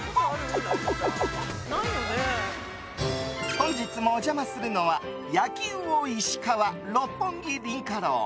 本日もお邪魔するのは焼うおいし川六本木凛華楼。